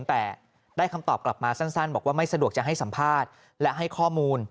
แต่ได้คำตอบกลับมาสั้นบอกว่าไม่สะดวกจะให้สัมภาษณ์และให้ข้อมูล